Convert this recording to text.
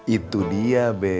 itu dia be